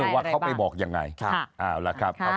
ว่าเขาไปบอกยังไงเอาล่ะครับ